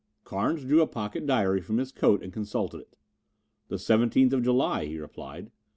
Carnes drew a pocket diary from his coat and consulted it. "The seventeenth of July," he replied.